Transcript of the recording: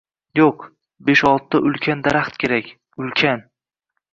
Yo‘q, besh-oltita ulkan daraxt kerak, ulkan!»